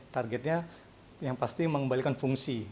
targetnya yang pasti mengembalikan fungsi